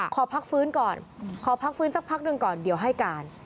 ขอพักฟื้นก่อนขอพักฟื้นสักพักหนึ่งก่อนเดี๋ยวให้การ